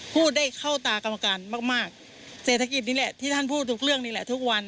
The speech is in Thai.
พูดได้เข้าตากรรมการมากมากเศรษฐกิจนี่แหละที่ท่านพูดทุกเรื่องนี่แหละทุกวัน